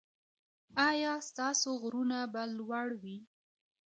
ایا ستاسو غرونه به لوړ وي؟